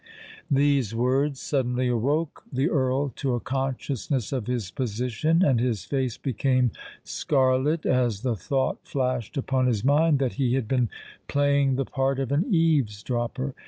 These words suddenly awoke the Earl to a consciousness of his position: and his face became scarlet as the thought flashed upon his mind that he had been playing the part of an eaves dropper.